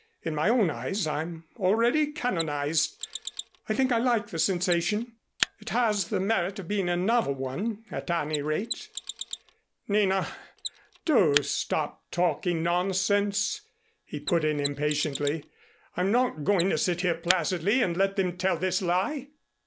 In my own eyes I'm already canonized. I think I like the sensation. It has the merit of being a novel one at any rate." "Nina, do stop talking nonsense," he put in impatiently. "I'm not going to sit here placidly and let them tell this lie."